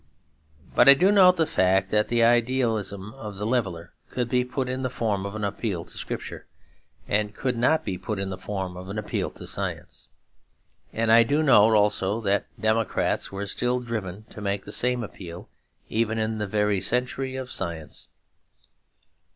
But I do note the fact that the idealism of the leveller could be put in the form of an appeal to Scripture, and could not be put in the form of an appeal to Science. And I do note also that democrats were still driven to make the same appeal even in the very century of Science.